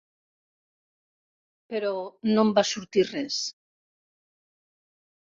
Però no em va sortir res.